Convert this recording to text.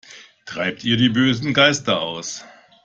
Treibt ihr die bösen Geister aus!